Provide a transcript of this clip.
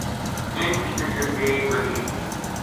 اِنھ کی کچر بھی بَدھی وی تھی